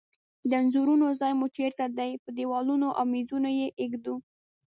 د انځورونو ځای مو چیرته ده؟ په دیوالونو او میزونو یی ایږدو